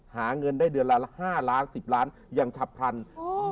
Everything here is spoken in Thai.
หาเงินได้เดือนละ๕ล้าน๑๐ล้านยังชับพันธุ์